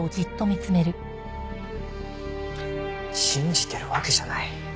信じてるわけじゃない。